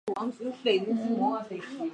疏受为太子太傅疏广之侄。